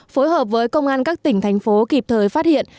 phối hợp với công an các tỉnh thành phố kịp thời phát hiện